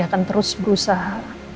akan terus berusaha